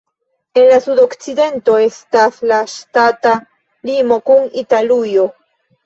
En la sudokcidento estas la ŝtata limo kun Italujo.